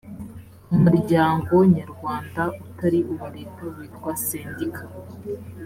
umuryango nyarwanda utari uwa leta witwa sendika